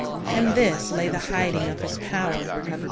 In this lay the hiding" of his power.